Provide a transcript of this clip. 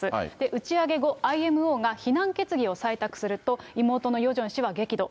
打ち上げ後、ＩＭＯが非難決議を採択すると、妹のヨジョン氏は激怒。